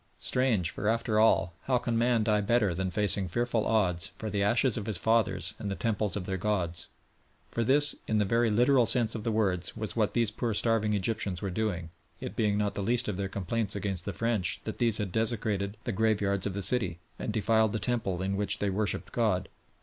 Strange, for, after all, "how can man die better than facing fearful odds, for the ashes of his fathers, and the temples of their gods?" For this in the very literal sense of the words was what these poor starving Egyptians were doing, it being not the least of their complaints against the French that these had desecrated the graveyards of the city, and defiled the temple in which they worshipped God.